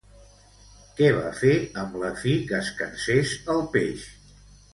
Què va fer amb la fi que es cansés el peix?